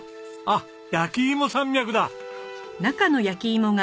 あっ焼き芋山脈だ！